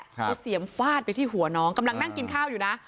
เอาเสียมฟาดไปที่หัวน้องกำลังนั่งกินข้าวอยู่นะ